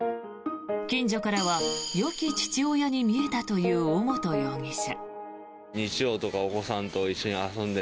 近所からはよき父親に見えたという尾本容疑者。